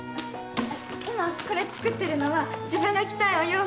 今これ作ってるのは自分が着たいお洋服を